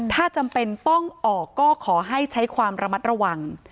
ถ้าจำเป็นต้องออกก็ขอให้ใช้ความระมัดระวัง